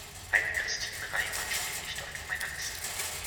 Eine Christin Reimann steht nicht auf meiner Liste.